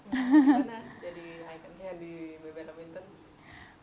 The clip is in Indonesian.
bagaimana jadi ikonnya di bbm inten